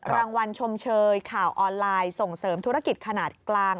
รางวัลชมเชยข่าวออนไลน์ส่งเสริมธุรกิจขนาดกลาง